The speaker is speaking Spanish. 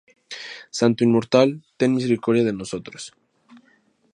Santo Inmortal, ten misericordia de nosotros.